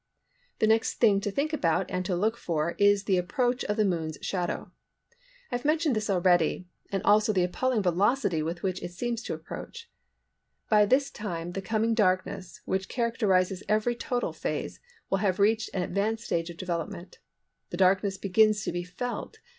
The next thing to think about and to look out for is the approach of the Moon's shadow. I have mentioned this already, and also the appalling velocity with which it seems to approach. By this time the coming darkness, which characterises every total phase, will have reached an advanced stage of development. The darkness begins to be felt.